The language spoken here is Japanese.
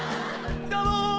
どうも！